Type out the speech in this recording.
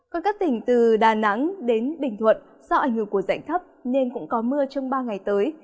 còn các tỉnh từ đà nẵng đến bình thuận do ảnh hưởng của rãnh thấp nên cũng có mưa trong ba ngày tới